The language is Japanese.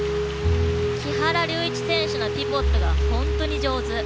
木原龍一選手のピボットが本当に上手。